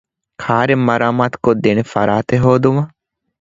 ކާރެއް މަރާމާތުކޮށްދޭނެ ފަރާތެއް ހޯދުމަށް